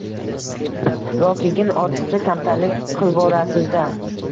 – Lokigin, ortiqcha kamtarlik qilvorasiz-da